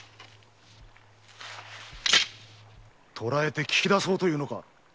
捕えて聞き出そうというのか。